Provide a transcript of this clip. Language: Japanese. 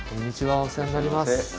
お世話になります。